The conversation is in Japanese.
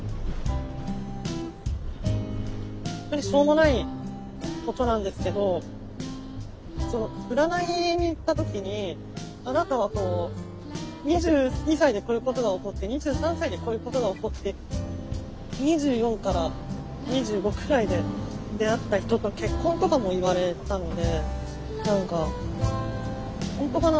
本当にしょうもないことなんですけど占いに行った時にあなたは２２歳でこういうことが起こって２３歳でこういうことが起こって２４から２５くらいで出会った人と結婚とかも言われたので何か本当かな？